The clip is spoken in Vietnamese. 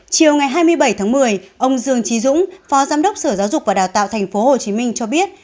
chiều ngày hai mươi bảy tháng một mươi ông dương trí dũng phó giám đốc sở giáo dục và đào tạo tp hcm cho biết